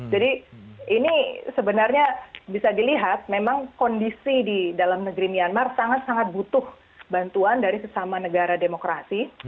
jadi ini sebenarnya bisa dilihat memang kondisi di dalam negeri myanmar sangat sangat butuh bantuan dari sesama negara demokrasi